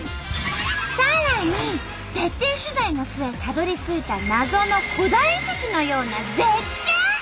さらに徹底取材の末たどりついたナゾの古代遺跡のような絶景！